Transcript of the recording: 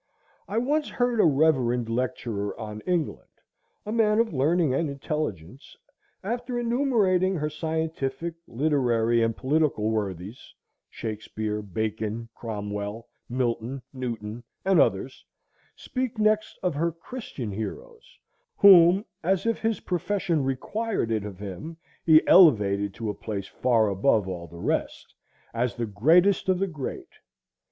I once heard a reverend lecturer on England, a man of learning and intelligence, after enumerating her scientific, literary, and political worthies, Shakespeare, Bacon, Cromwell, Milton, Newton, and others, speak next of her Christian heroes, whom, as if his profession required it of him, he elevated to a place far above all the rest, as the greatest of the great.